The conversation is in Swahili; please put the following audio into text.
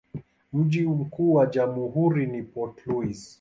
Mji mkuu wa jamhuri ni Port Louis.